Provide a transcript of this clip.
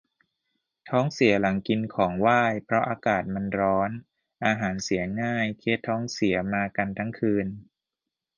ท้องเสียหลังกินของไหว้ เพราะอากาศมันร้อน อาหารเสียง่าย เคสท้องเสียมากันทั้งคืน